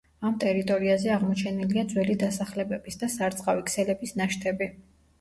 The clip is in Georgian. ამ ტერიტორიაზე აღმოჩენილია ძველი დასახლებების და სარწყავი ქსელების ნაშთები.